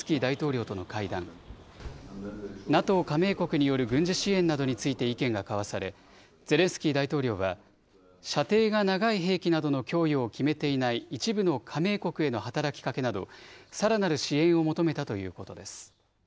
加盟国による軍事支援などについて意見が交わされ、ゼレンスキー大統領は、射程が長い兵器などの供与を決めていない一部の加盟国への働きかけなどさらなる支援を求めたということです。